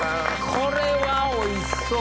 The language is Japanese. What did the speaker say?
これはおいしそう。